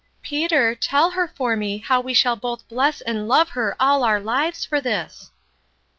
"Peter, tell her for me how we shall both bless and love her all our lives for this